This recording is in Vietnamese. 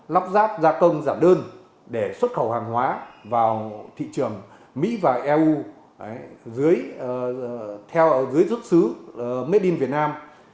lóc rác gia công giảm đơn để xuất khẩu hàng hóa vào thị trường mỹ và eu dưới xuất xứ made in vietnam